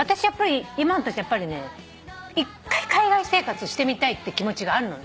今の私やっぱりね１回海外生活してみたいって気持ちがあるの。